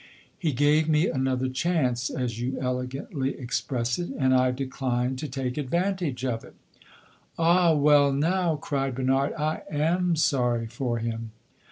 "He gave me another 'chance,' as you elegantly express it, and I declined to take advantage of it." "Ah, well, now," cried Bernard, "I am sorry for him!"